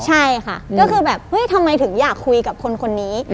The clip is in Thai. ใช่ค่ะก็คือแบบเฮ้ยทำไมถึงอยากคุยกับคนนี้